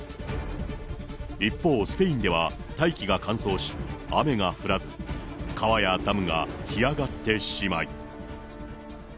一方、スペインでは大気が乾燥し、雨が降らず、川やダムが干上がってしまい。